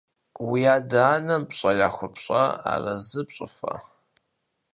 Уи адэ-анэм пщӀэ яхуэпщӀа, арэзы пщӀыфа?